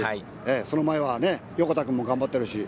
その前は横田君も頑張ってるし。